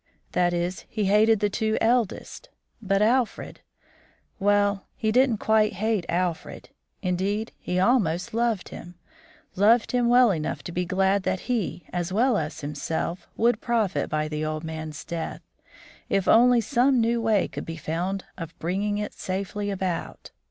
That is, he hated the two eldest; but Alfred well, he didn't quite hate Alfred; indeed, he almost loved him, loved him well enough to be glad that he, as well as himself, would profit by the old man's death, if only some new way could be found of bringing it safely about.